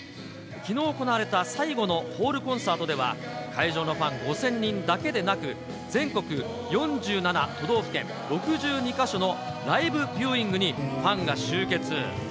きのう行われた最後のホールコンサートでは、会場のファン５０００人だけでなく、全国４７都道府県６２か所のライブビューイングにファンが集結。